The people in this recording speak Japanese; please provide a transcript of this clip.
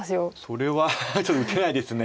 それはちょっと受けないです。